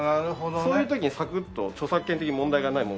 そういう時にサクッと著作権的に問題がないもの